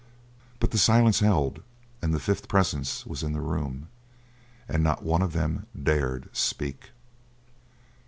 But the silence held and the fifth presence was in the room, and not one of them dared speak.